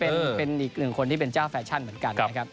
เป็นอีกหนึ่งคนที่เป็นเจ้าแฟชั่นเหมือนกันนะครับ